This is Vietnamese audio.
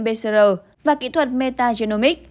pcr và kỹ thuật metagenomics